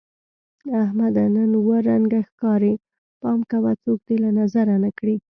احمده! نن اووه رنگه ښکارې. پام کوه څوک دې له نظره نه کړي.